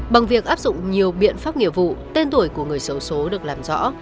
bằng việc áp dụng nhiều biện pháp nghiệp vụ tên tuổi của người xấu số được làm rõ